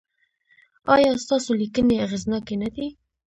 ایا ستاسو لیکنې اغیزناکې نه دي؟